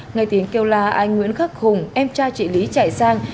ngày tiếng kêu la anh nguyễn khắc hùng em cha chị lý chạy sang